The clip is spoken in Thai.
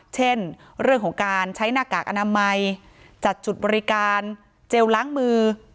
เช่นเรื่องของการใช้หน้ากากอนามัยจัดจุดบริการเจลล้างมือ